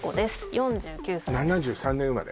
４９歳７３年生まれ？